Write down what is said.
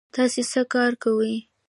تاسې څه کار کوی؟